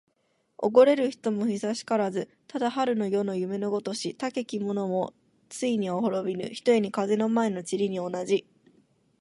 おごれる人も久しからず。ただ春の夜の夢のごとし。たけき者もついには滅びぬ、ひとえに風の前の塵に同じ。